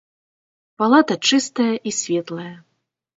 Палата чыстая і светлая.